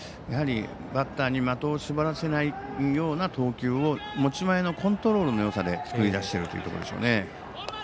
やはりバッターに的を絞らせないような投球を持ち前のコントロールのよさで作り出してるということでしょう。